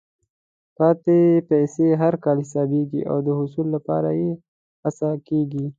پاتې پیسې هر کال حسابېږي او د حصول لپاره یې هڅه کېږي.